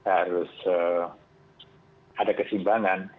harus ada kesimbangan